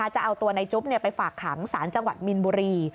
จะเอาตัวในจุ๊บไปฝากขังสารจังหวัดมินบุรี